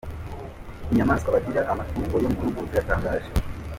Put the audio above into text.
Inyamaswa bagira amatungo yo mu rugo ziratangaje.